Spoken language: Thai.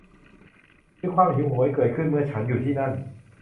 มีความหิวโหยเกิดขึ้นเมื่อฉันอยู่ที่นั่น